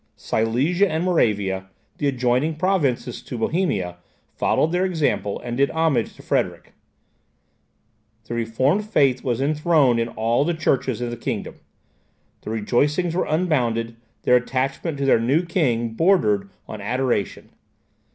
Silesia and Moravia, the adjoining provinces to Bohemia, followed their example, and did homage to Frederick. The reformed faith was enthroned in all the churches of the kingdom; the rejoicings were unbounded, their attachment to their new king bordered on adoration.